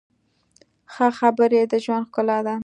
ښه خبرې د ژوند ښکلا ده.